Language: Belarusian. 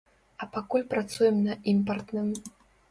А пакуль працуем на імпартным.